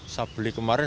saya beli kemarin